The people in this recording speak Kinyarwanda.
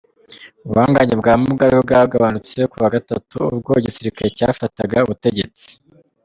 Ubuhangange bwa Mugabe bwagabanutse ku wa Gatatu ubwo igisirikare cyafataga ubutegetsi.